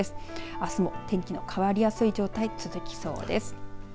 あすの天気の変わりやすい状態続きそうです。